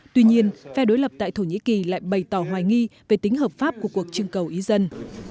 tuy nhiên phe đối lập tại thổ nhĩ kỳ lại bày tỏ hoài nghi về tính hợp pháp của cuộc trưng cầu ý dân